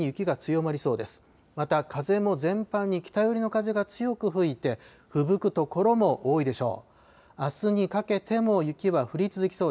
また風も全般に北寄りの風が強く吹いて、ふぶく所も多いでしょう。